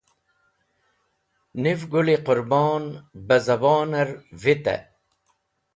Niv Gũl-e Qũrbon beh zabon or vitey.